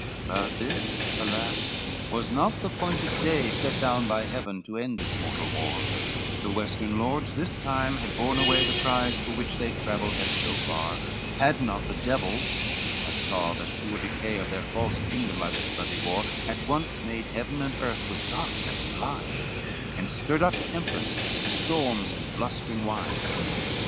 CXV But this, alas, was not the appointed day, Set down by Heaven to end this mortal war: The western lords this time had borne away The prize, for which they travelled had so far, Had not the devils, that saw the sure decay Of their false kingdom by this bloody war, At once made heaven and earth with darkness blind, And stirred up tempests, storms, and blustering wind.